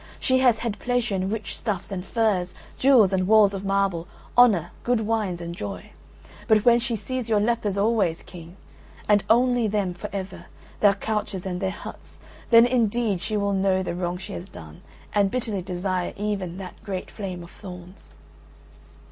She has had pleasure in rich stuffs and furs, jewels and walls of marble, honour, good wines and joy, but when she sees your lepers always, King, and only them for ever, their couches and their huts, then indeed she will know the wrong she has done, and bitterly desire even that great flame of thorns."